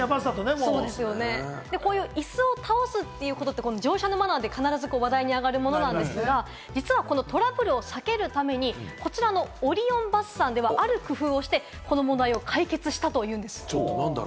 椅子を倒すってことで、乗車のマナーで必ず話題に上がるんですが、このトラブルを避けるためにこちらのオリオンバスさんでは、ある工夫をしてこの問題を解決したというんです。